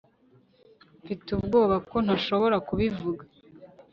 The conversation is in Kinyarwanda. mfite ubwoba ko ntashobora kubivuga